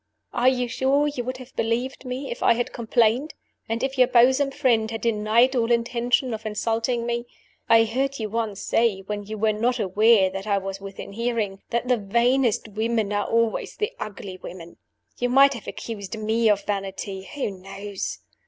"Are you sure you would have believed me if I had complained, and if your bosom friend had denied all intention of insulting me? I heard you once say (when you were not aware that I was within hearing) that the vainest women were always the ugly women. You might have accused me of vanity. Who knows?